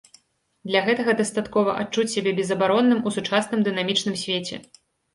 Для гэтага дастаткова адчуць сябе безабаронным у сучасным дынамічным свеце.